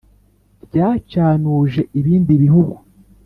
ryacanuje ibindi bihugu